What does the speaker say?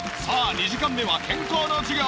２時間目は健康の授業。